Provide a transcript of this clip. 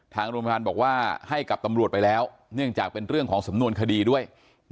ทางโรงพยาบาลบอกว่าให้กับตำรวจไปแล้วเนื่องจากเป็นเรื่องของสำนวนคดีด้วย